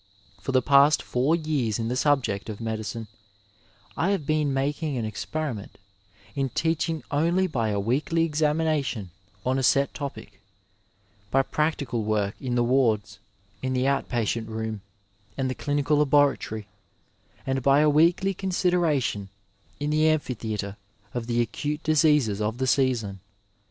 For the past four years in the subject of medicine I have been making an experiment in teaching only by a weekly examination on a set topic, by practical work in the wards, in the out patient room and the clinical laboratory, and by a weekly consideration in the amphitheatre of the acute diseases of the season.